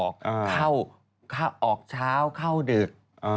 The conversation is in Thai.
เข้าออกเช้าเข้าดึก